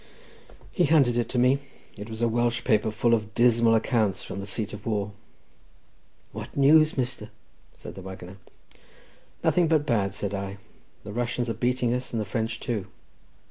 He handed it to me. It was a Welsh paper, and full of dismal accounts from the seat of war. "What news, mester?" said the waggoner. "Nothing but bad," said I; "the Russians are beating us and the French too."